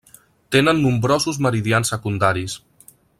Tenen nombrosos meridians secundaris.